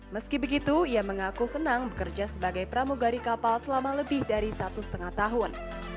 meski begitu ia mengaku senang bekerja sebagai pramugari kapal selama lebih dari satu setengah tahun